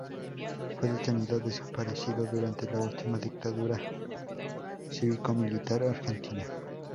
Fue detenido-desaparecido durante la última dictadura cívico-militar argentina.